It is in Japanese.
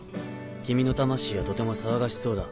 君の魂はとても騒がしそうだ。